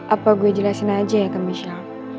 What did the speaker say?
apa gue jelasin aja ya ke michelle